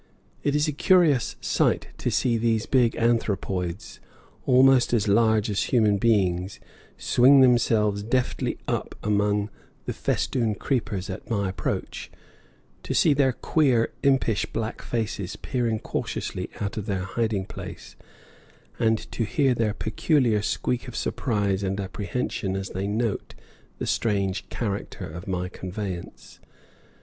It is a curious sight to see these big anthropoids, almost as large as human beings, swing themselves deftly up among the festooned creepers at my approach to see their queer, impish black faces peering cautiously out of their hiding place, and to hear their peculiar squeak of surprise and apprehension as they note the strange character of my conveyance.